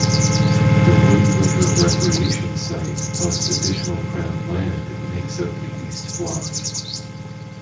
The Woody River Recreation Site plus additional Crown land makes up the East Block.